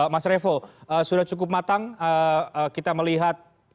mas revo sudah cukup matang kita melihat